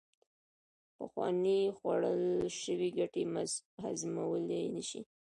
پخوانې خوړل شوې ګټې هضمولې نشي